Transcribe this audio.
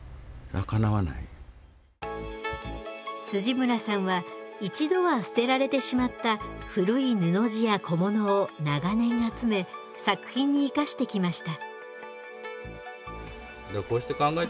村さんは一度は捨てられてしまった古い布地や小物を長年集め作品に生かしてきました。